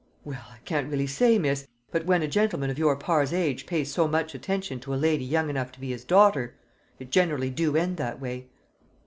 "Well, I can't really say, miss. But when a gentleman of your par's age pays so much attention to a lady young enough to be his daughter, it generally do end that way."